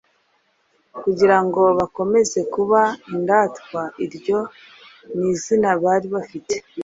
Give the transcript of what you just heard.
kugirango bakomeze kuba "Indatwa" iryo ni izina bari bafite,